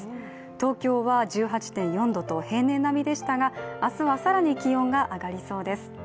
東京は１８．４度と平年並みでしたが明日は更に気温が上がりそうです。